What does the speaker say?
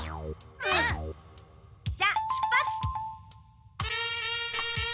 うん！じゃあ出発！